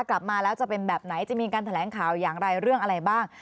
กลับมาแล้วจะเป็นแบบไหนจะมีการแถลงข่าวอย่างไรเรื่องอะไรบ้าง